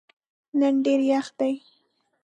نن ډېر یخ دی.